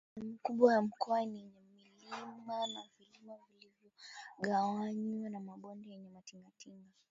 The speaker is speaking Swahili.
sehemu kubwa ya mkoa ni yenye milima na vilima vilivyogawanywa na mabonde yenye matingatinga